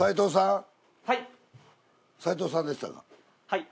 はい。